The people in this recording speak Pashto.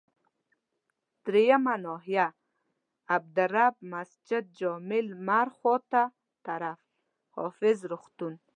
دریمه ناحيه، عبدالرب مسجدجامع لمرخاته طرف، حافظ روغتون.